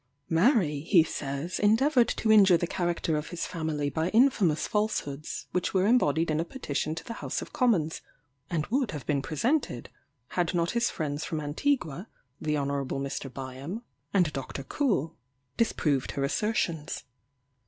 Mary, he says, endeavoured to injure the character of his family by infamous falsehoods, which were embodied in a petition to the House of Commons, and would have been presented, had not his friends from Antigua, the Hon. Mr. Byam, and Dr. Coull, disproved her assertions.